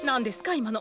今の。